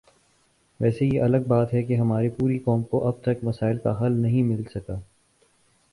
ویسے یہ الگ بات ہے کہ ہماری پوری قوم کو اب تک مسائل کا حل نہیں مل سکا